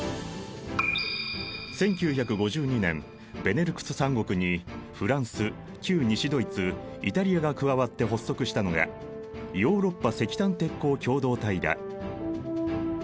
１９５２年ベネルクス３国にフランス旧西ドイツイタリアが加わって発足したのがヨーロッパ石炭鉄鋼共同体だ。